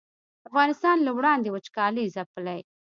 افغانستان له وړاندې وچکالۍ ځپلی